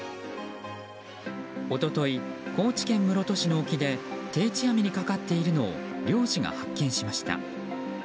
一昨日、高知県室戸市の沖で定置網にかかっているのを漁師が発見しました。